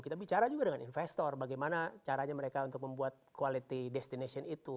kita bicara juga dengan investor bagaimana caranya mereka untuk membuat quality destination itu